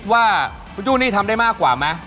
ทำของเล็กที่มาก